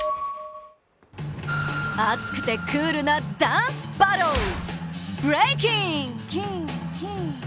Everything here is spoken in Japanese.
熱くてクールなダンスバトル、ブレイキン。